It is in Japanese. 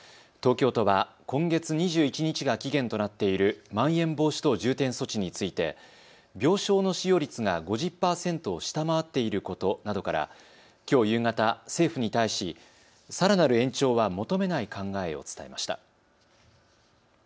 東京都は今月２１日が期限となっているまん延防止等重点措置について病床の使用率が５０％を下回っていることなどからきょう夕方、政府に対しさらなる延長は求めない考えを伝えました。